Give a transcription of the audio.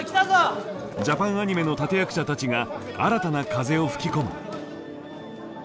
ジャパンアニメの立て役者たちが新たな風を吹き込む。